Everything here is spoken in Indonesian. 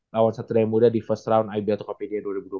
lawan satria muda di first round ib atau kpj dua ribu dua puluh tiga